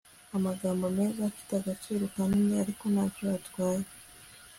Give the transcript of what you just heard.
Amagambo meza afite agaciro kanini ariko ntacyo atwaye